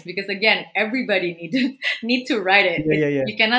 menulisnya kalian tidak bisa